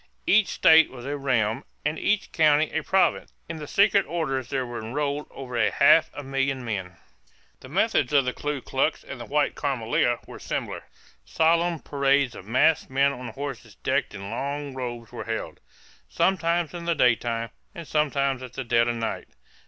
Each state was a realm and each county a province. In the secret orders there were enrolled over half a million men. The methods of the Ku Klux and the White Camelia were similar. Solemn parades of masked men on horses decked in long robes were held, sometimes in the daytime and sometimes at the dead of night.